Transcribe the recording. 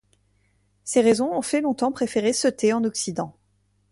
Ces raisons ont fait longtemps préférer ce thé en Occident.